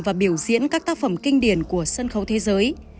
và biểu diễn các tác phẩm kinh điển của sân khấu thế giới